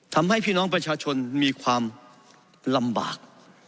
ทำให้พี่น้องประชาชนมีความลำบาก